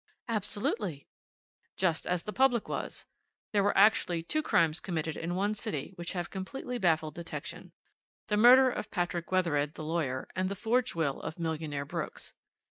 "Absolutely." "Just as the public was. There were actually two crimes committed in one city which have completely baffled detection: the murder of Patrick Wethered the lawyer, and the forged will of Millionaire Brooks.